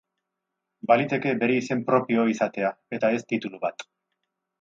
Baliteke bere izen propioa izatea, eta ez titulu bat.